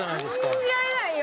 信じられないよ。